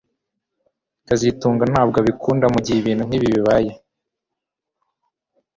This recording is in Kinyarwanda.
kazitunga ntabwo abikunda mugihe ibintu nkibi bibaye